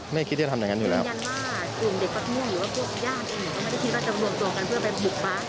ไม่คิดว่าจะทำอย่างงั้นอยู่แล้วครับ